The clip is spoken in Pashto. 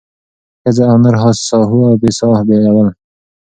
ښځه او نر ساهو او بې ساه بېلول